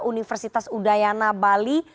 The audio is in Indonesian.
universitas udayana bali